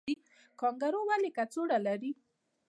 کانګارو ولې کڅوړه لري؟